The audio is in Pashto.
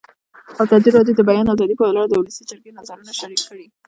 ازادي راډیو د د بیان آزادي په اړه د ولسي جرګې نظرونه شریک کړي.